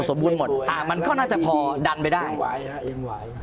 สมบูรณ์หมดอ่ามันก็น่าจะพอดันไปได้เองไหว